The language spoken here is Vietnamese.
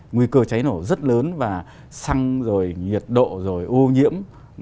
nguy cơ cháy nổ rất lớn và xăng rồi nhiệt độ rồi ô nhiễm